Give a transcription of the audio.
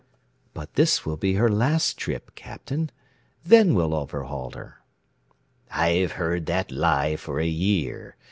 "But this will be her last trip, Captain. Then we'll overhaul her." "I've heard that lie for a year.